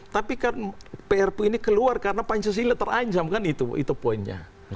tapi kan prpu ini keluar karena pancasila terancam kan itu poinnya